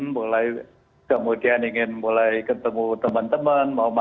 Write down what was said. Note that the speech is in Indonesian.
mulai kemudian ingin mulai ketemu teman teman mau makan